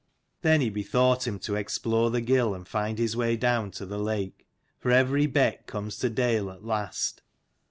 Then he bethought him to explore the gill and find his way down to the lake : for every beck comes to dale at last.